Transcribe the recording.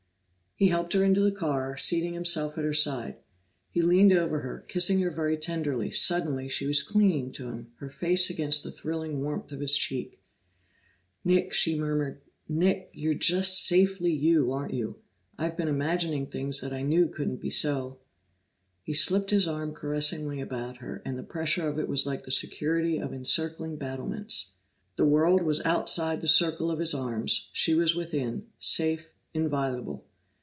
He helped her into the car, seating himself at her side. He leaned over her, kissing her very tenderly; suddenly she was clinging to him, her face against the thrilling warmth of his cheek. "Nick!" she murmured. "Nick! You're just safely you, aren't you? I've been imagining things that I knew couldn't be so!" He slipped his arm caressingly about her, and the pressure of it was like the security of encircling battlements. The world was outside the circle of his arms; she was within, safe, inviolable.